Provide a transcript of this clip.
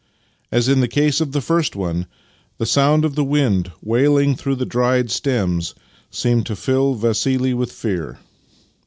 As in the case of the first one, the sound of the wind wailing through the dried stems seemed to fill Vassili with fear.